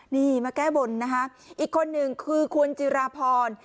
นี่มาแก้บนนะคะอีกคนหนึ่งคือคุณจิราพร